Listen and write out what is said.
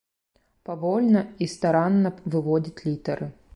Павольна і старанна выводзіць літары.